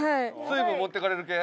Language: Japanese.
水分持っていかれる系？